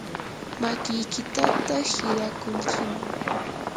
makiykitataq hirakunkiman.